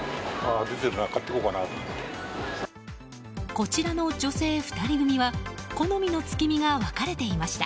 こちらの女性２人組は好みの月見が分かれていました。